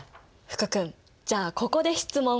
福くんじゃあここで質問。